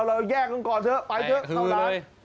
เราแยกมึงก่อนเถอะไปเถอะเข้าร้าน